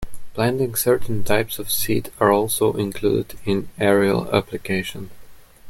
Planting certain types of seed are also included in aerial application.